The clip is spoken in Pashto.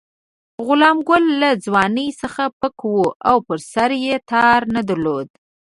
غلام ګل له ځوانۍ څخه پک وو او پر سر یې تار نه درلود.